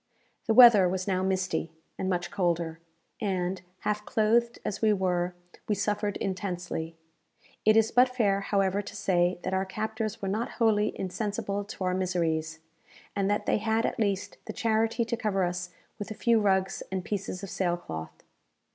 The weather was now misty, and much colder; and, half clothed as we were, we suffered intensely. It is but fair, however, to say that our captors were not wholly insensible to our miseries, and that they had at least the charity to cover us with a few rugs and pieces of sail cloth.